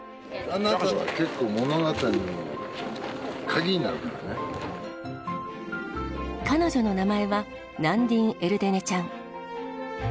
結構彼女の名前はナンディン−エルデネちゃん